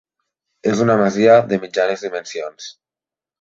És una masia de mitjanes dimensions.